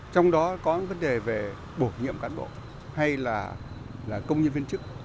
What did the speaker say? trong đó có vấn đề về bổ nhiệm cán bộ hay là công nhân viên chức